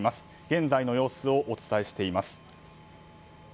現在の様子をお伝えしています。